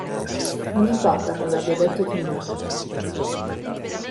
Non importa cosa abbia detto di me"”.